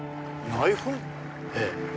ええ。